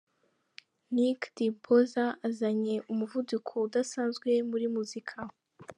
Nick Dimpoz azanye umuvuduko udasanzwe muri muzika.